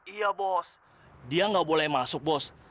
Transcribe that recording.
iya bos dia nggak boleh masuk bos